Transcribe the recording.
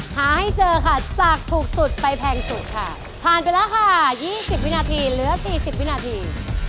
หาให้เจอค่ะจากถูกสุดไปแพงสุดค่ะผ่านไปแล้วค่ะ๒๐วินาทีเหลือ๔๐วินาที